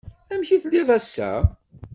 Amek i telliḍ ass-a?